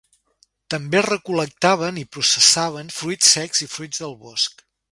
També recol·lectaven i processaven fruits secs i fruits del bosc.